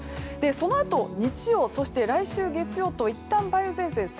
そのあと日曜日、そして来週月曜と、いったん梅雨前線は